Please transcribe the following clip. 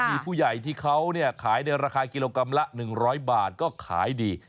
มีผู้ใหญ่ที่เขาขายในราคากิโลกรัมละ๑๐๐บาทก็ขายดี